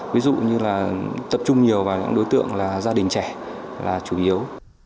ví dụ như là tập trung nhiều vào những đối tượng là gia đình trẻ là chủ yếu